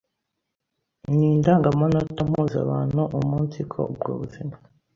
ni indangamanota mpuzabantu umunsiko ubwo buzima